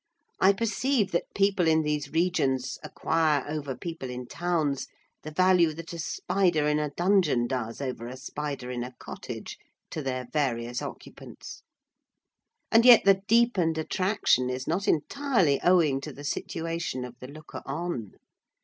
I perceive that people in these regions acquire over people in towns the value that a spider in a dungeon does over a spider in a cottage, to their various occupants; and yet the deepened attraction is not entirely owing to the situation of the looker on.